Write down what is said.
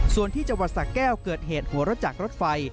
ส่วนที่จังหวัดสะแก้วเกิดเหตุหัวรถจากรถไฟ